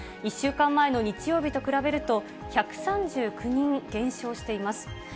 １週間前の日曜日と比べると、１３９人減少しています。